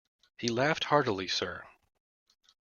He laughed heartily, sir.